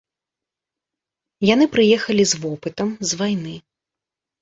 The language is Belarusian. Яны прыехалі з вопытам, з вайны.